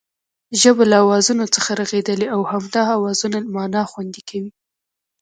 ژبه له آوازونو څخه رغېدلې او همدا آوازونه مانا خوندي کوي